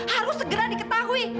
harus segera diketahui